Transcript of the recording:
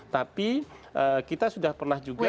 tapi kita sudah pernah juga